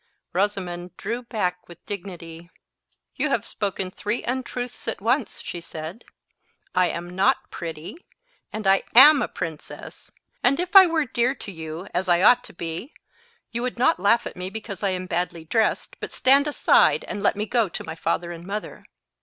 Rosamond drew back with dignity. "You have spoken three untruths at once," she said. "I am not pretty, and I am a princess, and if I were dear to you, as I ought to be, you would not laugh at me because I am badly dressed, but stand aside, and let me go to my father and mother."